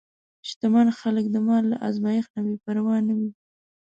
شتمن خلک د مال له ازمېښت نه بېپروا نه وي.